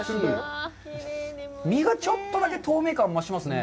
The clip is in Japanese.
実がちょっとだけ透明感が増しますね。